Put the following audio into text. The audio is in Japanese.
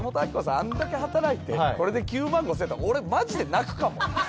あんだけ働いてこれで９万５，０００円やったら俺マジで泣くかも。